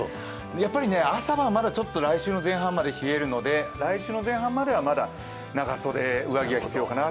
やっぱり朝晩は、まだちょっと来週の前半ぐらいまでは冷えるので来週の前半までは長袖、上着が必要かな。